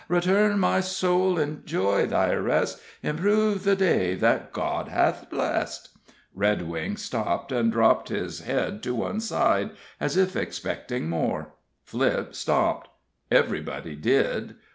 Return, my soul, enjoy thy rest, Improve the day thy God has blessed." Redwing stopped, and dropped his head to one side, as if expecting more; Flipp stopped; everybody did.